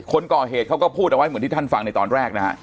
คนก่อเหตุเขาก็พูดเอาไว้เหมือนที่ท่านฟังในตอนแรกนะฮะ